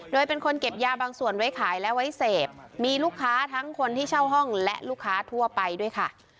โดยเป็นคนเก็บยาบางส่วนไว้ขายและไว้เสพมีลูกค้าทั้งคนที่เช่าห้องและลูกค้าทั่วไปด้วยค่ะ